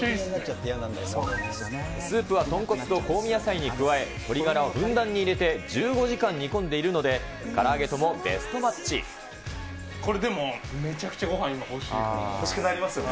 スープは豚骨と香味野菜に加え、鶏ガラをふんだんに加えて１５時間煮込んでいるので、これでも、めちゃくちゃごは欲しくなりますよね。